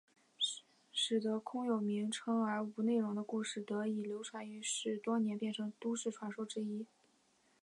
使得空有名称而无内容的故事得以流传于世多年变成都市传说之一。